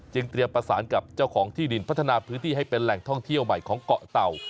เตรียมประสานกับเจ้าของที่ดินพัฒนาพื้นที่ให้เป็นแหล่งท่องเที่ยวใหม่ของเกาะเต่า